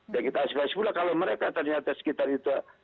dan kita harus bahas pula kalau mereka ternyata sekitar itu